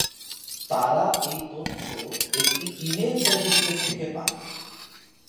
তারা এই তথ্য একটি ইমেইল সার্টিফিকেট থেকে পান।